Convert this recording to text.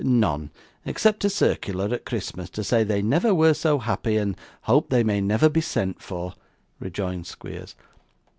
'None, except a circular at Christmas, to say they never were so happy, and hope they may never be sent for,' rejoined Squeers.